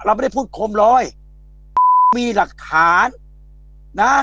ไม่ได้พูดคมลอยมีหลักฐานนะ